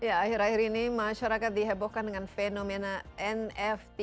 ya akhir akhir ini masyarakat dihebohkan dengan fenomena nft